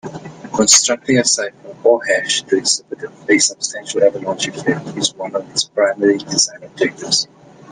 Constructing a cipher or hash to exhibit a substantial avalanche effect is one of its primary design objectives.